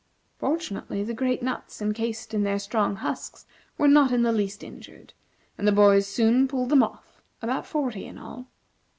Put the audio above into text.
Fortunately the great nuts incased in their strong husks were not in the least injured, and the boys soon pulled them off, about forty in all.